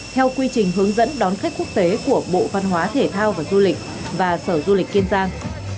theo quy trình hướng dẫn đón khách quốc tế của bộ văn hóa thể thao và du lịch và sở du lịch kiên giang